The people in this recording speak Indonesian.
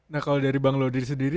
nah kalau dari bang lodri sendiri